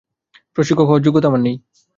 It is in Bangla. প্রশিক্ষক হওয়ার যোগ্যতা আমার নেই।